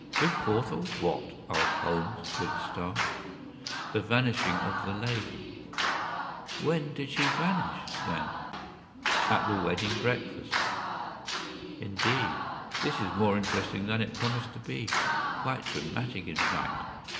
” “Before the what?” asked Holmes, with a start. “The vanishing of the lady.” “When did she vanish, then?” “At the wedding breakfast.” “Indeed. This is more interesting than it promised to be; quite dramatic, in fact.